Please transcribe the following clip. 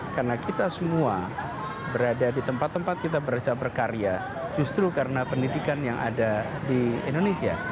karena kita semua berada di tempat tempat kita bekerja berkarya justru karena pendidikan yang ada di indonesia